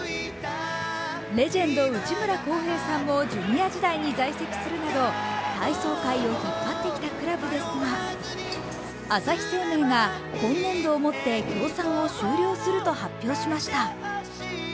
レジェンド・内村航平さんもジュニア時代に在籍するなど体操界を引っ張ってきたクラブですが朝日生命が今年度をもって協賛を終了すると発表しました。